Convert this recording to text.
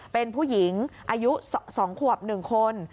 เป็นผู้หญิงอายุ๒ขวบ๑คน